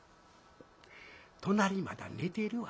隣まだ寝てるわ」。